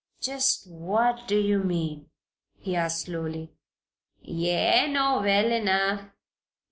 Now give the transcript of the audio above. "Just what do you mean?" he asked, slowly. "Ye know well enough.